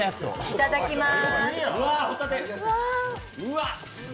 いただきまーす。